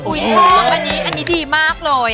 อุ๊ยชอบอันนี้ดีมากเลย